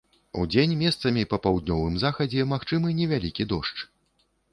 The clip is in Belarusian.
Удзень месцамі па паўднёвым захадзе магчымы невялікі дождж.